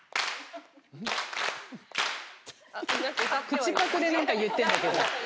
口パクで何か言ってんだけど。